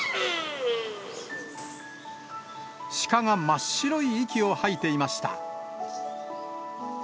鹿が真っ白い息を吐いていました。